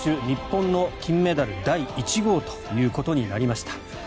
日本の金メダル第１号ということになりました。